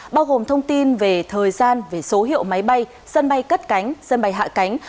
bao gồm thông tin về thời gian về số hiệu máy bay sân bay cất cánh sân bay hạ cánh